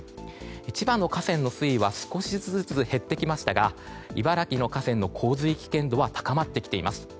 千葉の河川の水位は少しずつ減ってきましたが茨城の河川の洪水危険度は高まってきています。